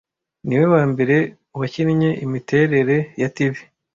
niwe wambere wakinnye imiterere ya TV